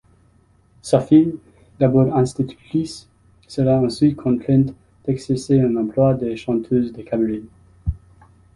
Sa fille, d'abord institutrice, sera ensuite contrainte d'exercer un emploi de chanteuse de cabaret.